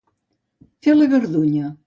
Fer la gardunya.